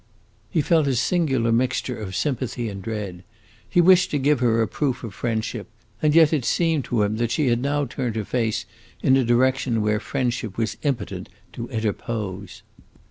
He felt a singular mixture of sympathy and dread; he wished to give her a proof of friendship, and yet it seemed to him that she had now turned her face in a direction where friendship was impotent to interpose.